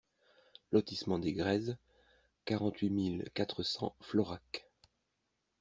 Lotissement des Grèzes, quarante-huit mille quatre cents Florac